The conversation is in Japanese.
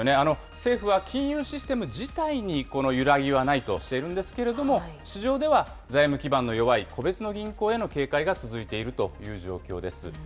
政府は金融システム自体にこの揺らぎはないとしているんですけれども、市場では財務基盤の弱い個別の銀行への警戒が続いているという状況です。